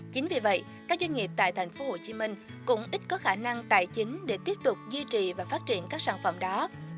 chính vì vậy các doanh nghiệp tại thành phố hồ chí minh cũng ít có khả năng tài chính để tiếp tục duy trì và phát triển các sản phẩm đó